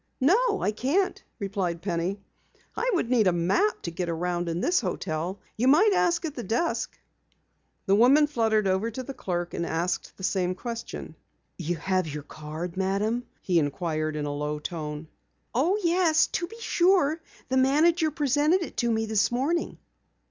"No, I can't," replied Penny. "I would need a map to get around in this hotel. You might ask at the desk." The woman fluttered over to the clerk and asked the same question. "You have your card, Madam?" he inquired in a low tone. "Oh, yes, to be sure. The manager presented it to me this morning."